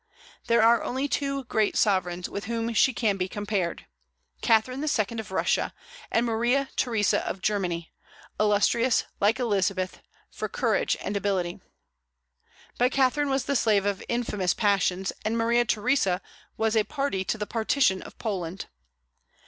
There are only two great sovereigns with whom she can be compared, Catherine II. of Russia, and Maria Theresa of Germany, illustrious, like Elizabeth, for courage and ability. But Catherine was the slave of infamous passions, and Maria Theresa was a party to the partition of Poland.